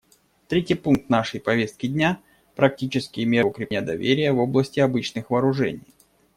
Третий пункт нашей повестки дня — «Практические меры укрепления доверия в области обычных вооружений».